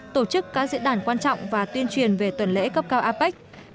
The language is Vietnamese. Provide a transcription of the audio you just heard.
tổ chức các diễn đàn quan trọng và tuyên truyền về tuần lễ cấp cao apec